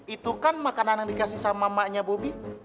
itu kan makanan yang dikasih sama maknya bobi